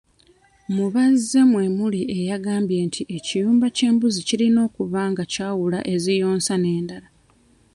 Mu bazze mwe muli eyagambye nti ekiyumba ky'embuzi kirina okuba nga kyawula eziyonsa n'endala.